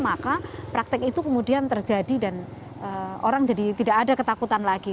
maka praktek itu kemudian terjadi dan orang jadi tidak ada ketakutan lagi